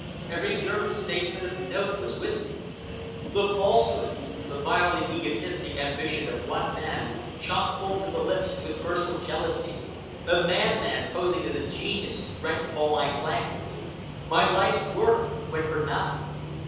Every German statesman of note was with me. The falsehood, the vilely egotistic ambition of one man, chock full to the lips with personal jealousy, a madman posing as a genius, wrecked all my plans. My life's work went for nothing.